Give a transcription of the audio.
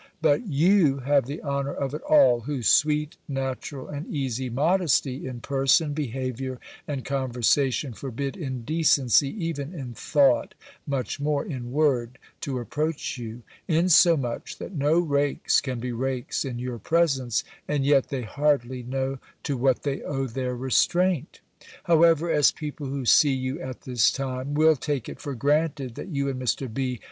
But you have the honour of it all, whose sweet, natural, and easy modesty, in person, behaviour, and conversation, forbid indecency, even in thought, much more in word, to approach you: insomuch that no rakes can be rakes in your presence, and yet they hardly know to what they owe their restraint. However, as people who see you at this time, will take it for granted that you and Mr. B.